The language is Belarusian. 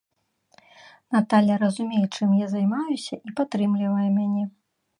Наталля разумее, чым я займаюся і падтрымлівае мяне.